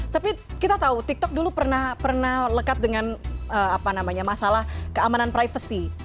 tapi kita tahu tiktok dulu pernah lekat dengan masalah keamanan privacy